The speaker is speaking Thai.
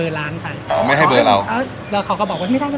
กล้าช่วยก็ดูสาธารณ์